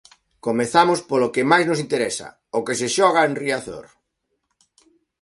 Comezamos polo que máis nos interesa, o que se xoga en Riazor.